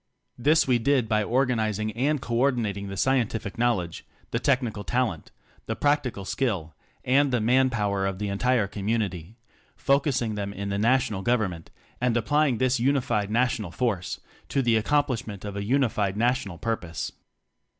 This we did by organizing and co ordinating the Scientific Knowledge, the Technical Talent, the Practi cal Skill and the Man Power of the entire Community: focusing them in the National Government, and apply ing this Unified National Force to the accomplishment of a Unified National Purpose.